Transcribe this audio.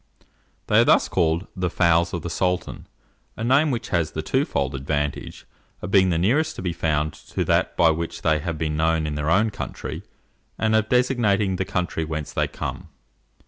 They are thus called the "fowls of the sultan," a name which has the twofold advantage of being the nearest to be found to that by which they have been known in their own country, and of designating the country whence they come.